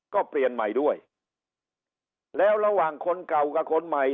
ก็เปลี่ยนใหม่ด้วยแล้วระหว่างคนเก่ากับคนใหม่